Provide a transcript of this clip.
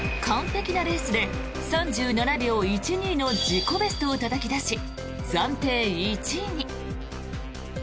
完璧なレースで３７秒１２の自己ベストをたたき出し暫定１位に。